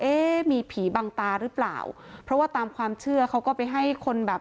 เอ๊ะมีผีบังตาหรือเปล่าเพราะว่าตามความเชื่อเขาก็ไปให้คนแบบ